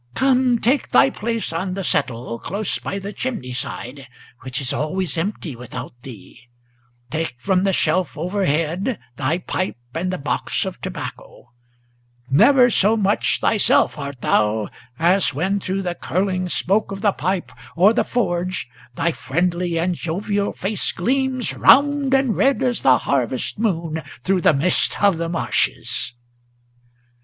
Come, take thy place on the settle Close by the chimney side, which is always empty without thee; Take from the shelf overhead thy pipe and the box of tobacco; Never so much thyself art thou as when through the curling Smoke of the pipe or the forge thy friendly and jovial face gleams Round and red as the harvest moon through the mist of the marshes."